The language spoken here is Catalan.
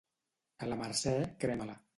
A la Mercè, crema-la.